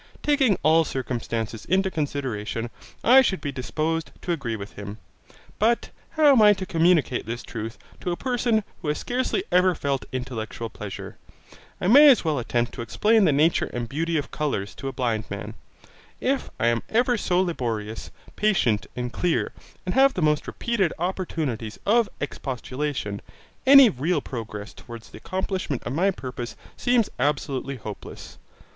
Taking all circumstances into consideration, I should be disposed to agree with him; but how am I to communicate this truth to a person who has scarcely ever felt intellectual pleasure? I may as well attempt to explain the nature and beauty of colours to a blind man. If I am ever so laborious, patient, and clear, and have the most repeated opportunities of expostulation, any real progress toward the accomplishment of my purpose seems absolutely hopeless.